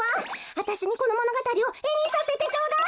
あたしにこのものがたりをえにさせてちょうだい！